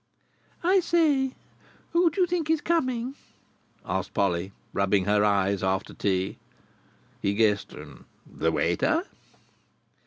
"I say. Who do you think is coming?" asked Polly, rubbing her eyes after tea. He guessed: "The waiter?"